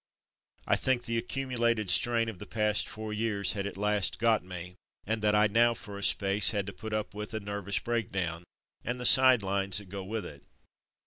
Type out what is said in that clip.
I think the accumulated strain of the past four years had at last got me, and that I now, for a space, had to put up with a '' nerv ous breakdown," and the side lines that go with it.